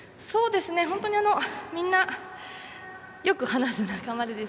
本当に、みんなよく話す仲間で。